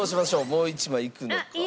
もう一枚いくのか。